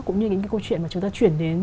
cũng như những câu chuyện mà chúng ta chuyển đến